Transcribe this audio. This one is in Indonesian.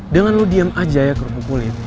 jangan lu diam aja ya kerupuk kulit